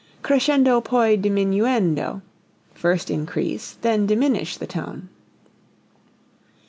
Crescendo poi diminuendo first increase, then diminish the tone.